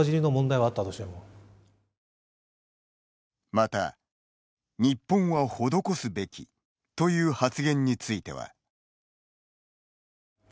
また、「日本は施すべき」という発言については。